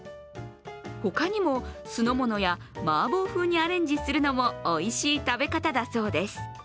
他にも酢の物やマーボー風にアレンジするのもおいしい食べ方だそうです。